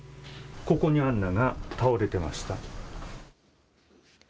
ここに杏菜が倒れてました。